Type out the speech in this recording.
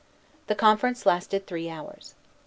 The conference lasted three hours.